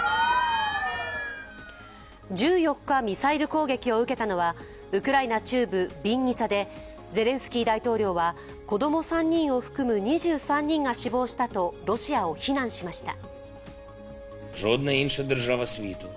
１４日、ミサイル攻撃を受けたのはウクライナ中部ビンニツァでゼレンスキー大統領は子供３人を含む２３人が死亡したとロシアを非難しました。